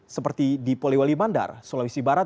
seperti di polewali mandar sulawesi barat